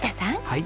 はい？